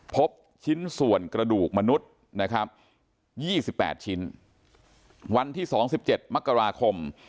พบชิ้นส่วนกระดูกมนุษย์นะครับยี่สิบแปดชิ้นวันที่สองสิบเจ็ดมกราคม